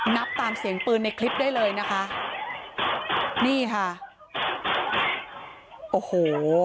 นับตามเสียงปืนในคลิปได้เลยนะคะนี่ค่ะโอ้โห